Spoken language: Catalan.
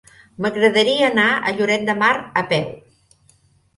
M'agradaria anar a Lloret de Mar a peu.